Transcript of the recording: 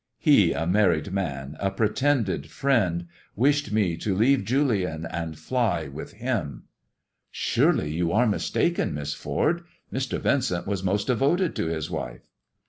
He, a married man, a pretended friend, wished me to leave Julian and fly with him." " Surely you are mistaken, Miss Ford. Mr, Vincent waa most devoted to his wife."